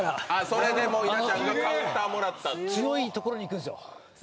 それで稲ちゃんのカウンターをもらった強いところにいくんですよ。